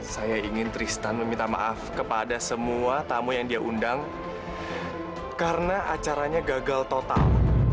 saya ingin tristan meminta maaf kepada semua tamu yang dia undang karena acaranya gagal total